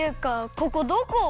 ここどこ！？